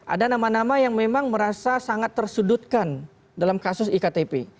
ada nama nama yang memang merasa sangat tersudutkan dalam kasus iktp